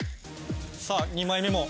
さあ２枚目も。